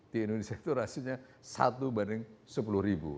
di indonesia itu rasio nya satu banding sepuluh ribu